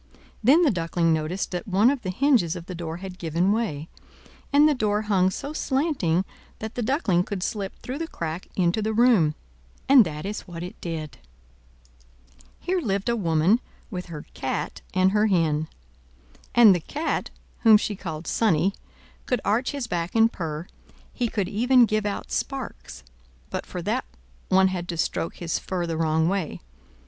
Then the Duckling noticed that one of the hinges of the door had given way, and the door hung so slanting that the Duckling could slip through the crack into the room; and that is what it did. Here lived a woman, with her Cat and her Hen. And the Cat, whom she called Sonnie, could arch his back and purr, he could even give out sparks; but for that one had to stroke his fur the wrong way.